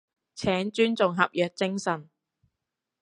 請尊重合約精神